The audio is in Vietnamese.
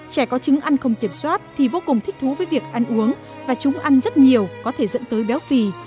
trẻ có trứng ăn không kiểm soát thì vô cùng thích thú với việc ăn uống và chúng ăn rất nhiều có thể dẫn tới béo phì